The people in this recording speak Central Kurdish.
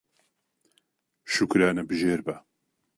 شوکرانەبژێر بە